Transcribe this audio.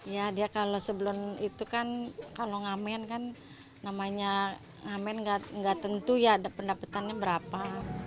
ya dia kalau sebelum itu kan kalau ngamen kan namanya ngamen nggak tentu ya pendapatannya berapa